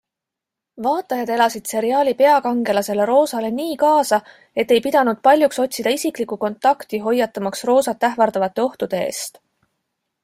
Vaatajad elasid seriaali peakangelasele Rosale nii kaasa, et ei pidanud paljuks otsida isiklikku kontakti hoiatamaks Rosat ähvardavate ohtude eest.